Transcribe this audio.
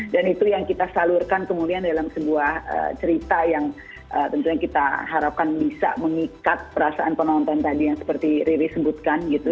dan itu yang kita salurkan kemudian dalam sebuah cerita yang tentunya kita harapkan bisa mengikat perasaan penonton tadi yang seperti riri sebutkan gitu